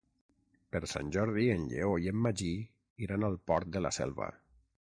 Per Sant Jordi en Lleó i en Magí iran al Port de la Selva.